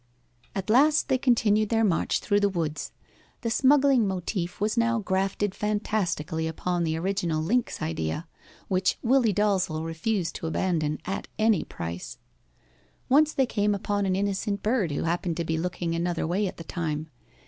At last they continued their march through the woods. The smuggling motif was now grafted fantastically upon the original lynx idea, which Willie Dalzel refused to abandon at any price. Once they came upon an innocent bird who happened to be looking another way at the time.